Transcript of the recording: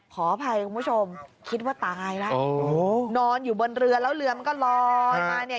ขออภัยคุณผู้ชมคิดว่าตายแล้วนอนอยู่บนเรือแล้วเรือมันก็ลอยมาเนี่ย